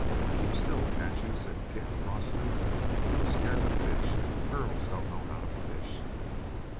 "Keep still, can't you?" said Kit crossly. "You'll scare the fish. Girls don't know how to fish."